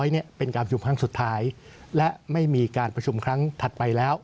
เนี่ยเป็นการประชุมครั้งสุดท้ายและไม่มีการประชุมครั้งถัดไปแล้ว